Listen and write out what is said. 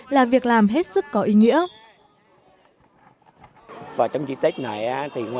là việc làm phương tiện di chuyển